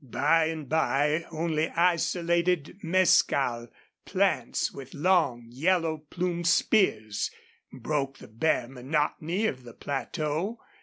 By and by only isolated mescal plants with long, yellow plumed spears broke the bare monotony of the plateau.